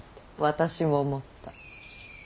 私も思った。